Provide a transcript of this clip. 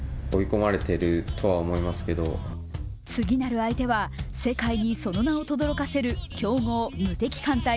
次なる相手は、世界にその名をとどろかせる強豪、無敵艦隊